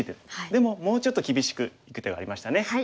でももうちょっと厳しくいく手がありましたね。